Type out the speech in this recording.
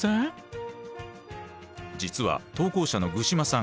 実は投稿者の具嶋さん